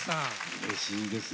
うれしいですね。